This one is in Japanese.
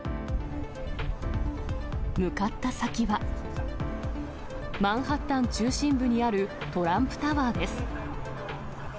向かった先は、マンハッタン中心部にあるトランプタワーです。